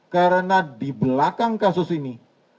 karena di belakang kasus ini